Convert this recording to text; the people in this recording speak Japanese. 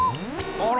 あら。